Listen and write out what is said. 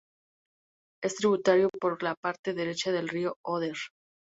Es tributario por la parte derecha del Río Oder.